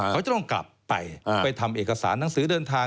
เขาจะต้องกลับไปไปทำเอกสารหนังสือเดินทาง